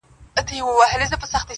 • سړي خلګو ته ویله لاس مو خلاص دئ,